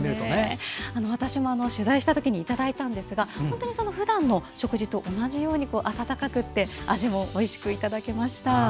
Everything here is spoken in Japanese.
私も取材した時にいただいたんですがふだんの食事と同じように温かく味もおいしくいただけました。